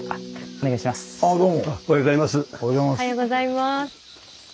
おはようございます。